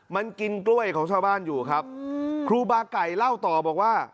มันกินกล้วยของชาวบ้านอยู่ครับครูบาไก่เล่าต่อบอกว่า